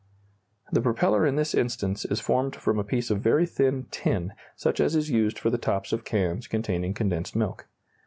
] The propeller in this instance is formed from a piece of very thin tin, such as is used for the tops of cans containing condensed milk.